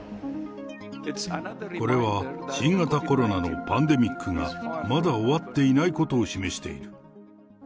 これは新型コロナのパンデミックがまだ終わっていないことを示している。